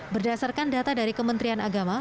berdasarkan data dari kementerian agama